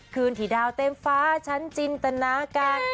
คืนที่ดาวเต็มฟ้าฉันจินตนาการ